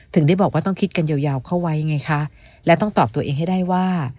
ถึงได้บอกว่าต้องคิดกันยาวเข้าไว้ไงคะและต้องตอบตัวเองให้ได้ว่า